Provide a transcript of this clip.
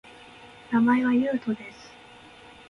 名前は、ゆうとです